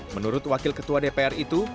menurut wakil ketua dpr itu